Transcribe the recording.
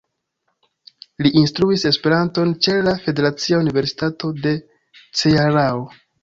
Li instruis Esperanton ĉe la Federacia Universitato de Cearao.